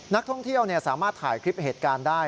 นักท่องเที่ยวสามารถถ่ายคลิปเหตุการณ์ได้